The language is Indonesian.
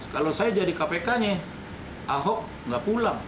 kalau saya jadi kpk ahok tidak pulang